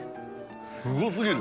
すごすぎる。